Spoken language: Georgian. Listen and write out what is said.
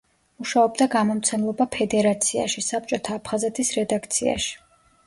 მუშაობდა გამომცემლობა „ფედერაციაში“, „საბჭოთა აფხაზეთის“ რედაქციაში.